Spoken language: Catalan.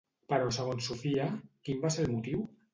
Però segons Sofia, quin va ser el motiu?